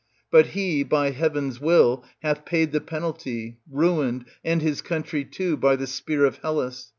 But he, by heaven's will, hath paid the penalty, ruined, and his country too, by the spear of Hellas.